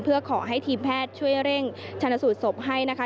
เพื่อขอให้ทีมแพทย์ช่วยเร่งชนสูตรศพให้นะคะ